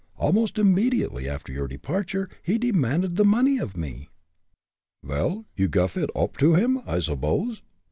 Almost immediately after your departure he demanded the money of me." "Vel, you guff it oop to him, I subbose?"